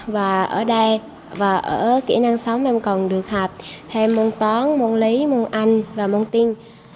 và ở đây và ở kỹ năng sống em còn được học thêm môn toán môn lý môn anh và môn tin